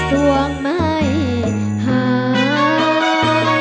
ก็มี